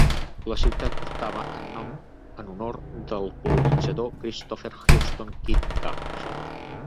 La ciutat portava el nom en honor del colonitzador Christopher Houston "Kit" Carson.